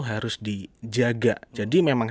harus dijaga jadi memang